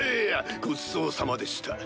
ごちそうさまでした。